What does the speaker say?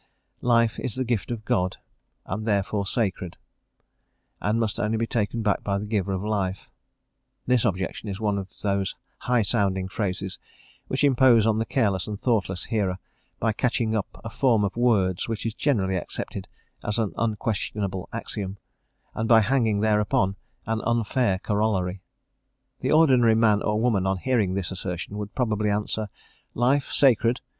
Life is the gift of God, and is therefore sacred, and must only be taken back by the Giver of life. This objection is one of those high sounding phrases which impose on the careless and thoughtless hearer, by catching up a form of words which is generally accepted as an unquestionable axiom, and by hanging thereupon an unfair corollary. The ordinary man or woman, on hearing this assertion, would probably answer "Life sacred?